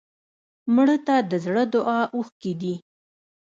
مړه ته د زړه دعا اوښکې دي